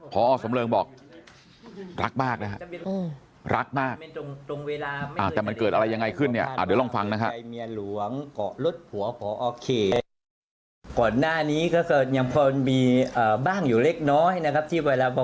พอสำเริงบอกรักมากนะฮะรักมากแต่มันเกิดอะไรยังไงขึ้นเนี่ยเดี๋ยวลองฟังนะครับ